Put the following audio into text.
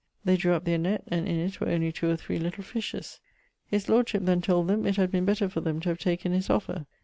They drew up their nett, and it were only 2 or 3 little fishes: his lordship then told them it had been better for them to have taken his offer.